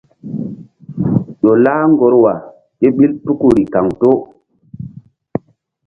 Ƴo lah ŋgorwa kéɓil tukuri kaŋto.